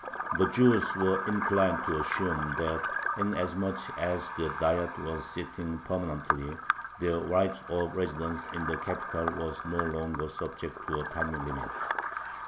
The Jews were inclined to assume that, inasmuch as the Diet was sitting permanently, their right of residence in the capital was no longer subject to a time limit.